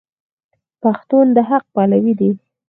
پښتون د حق پلوی دی.